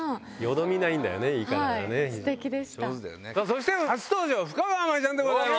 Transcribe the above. そして初登場深川麻衣ちゃんです。